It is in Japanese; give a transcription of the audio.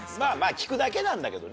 聞くだけなんだけどね。